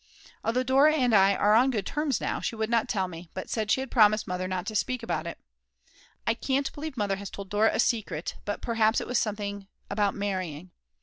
Although Dora and I are on good terms now, she would not tell me, but said she had promised Mother not to speak about it. I can't believe that Mother has told Dora a secret, but perhaps it was something about marrying.